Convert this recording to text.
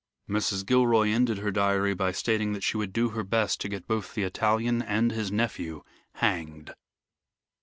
Mrs. Gilroy ended her diary by stating that she would do her best to get both the Italian and his nephew hanged.